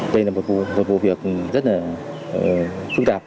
đây là một vụ việc rất là phức tạp